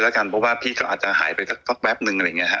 แล้วกันเพราะว่าพี่ก็อาจจะหายไปสักแป๊บนึงอะไรอย่างนี้ฮะ